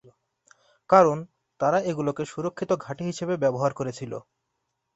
কারণ, তারা এগুলোকে সুরক্ষিত ঘাঁটি হিসেবে ব্যবহার করেছিল।